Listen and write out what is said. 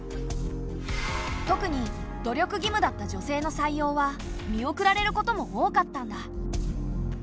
特に努力義務だった女性の採用は見送られることも多かったんだ。